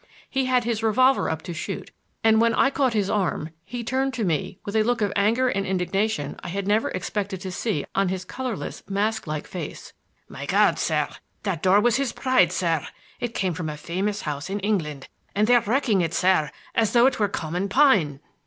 He had his revolver up to shoot, and when I caught his arm he turned to me with a look of anger and indignation I had never expected to see on his colorless, mask like face. "My God, sir! That door was his pride, sir,—it came from a famous house in England, and they're wrecking it, sir, as though it were common pine."